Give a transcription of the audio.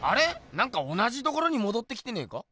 なんか同じところにもどってきてねえか？